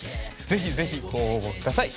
ぜひぜひご応募下さい。